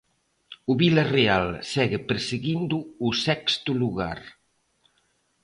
O Vilarreal segue perseguindo o sexto lugar.